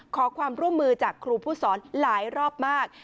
ขอความร่วมมือจากครูผู้สอนหลายรอบมาก